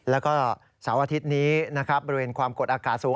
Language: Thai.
แล้วก็เสาร์อาทิตย์นี้นะครับบริเวณความกดอากาศสูง